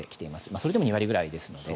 それでも２割ぐらいですので。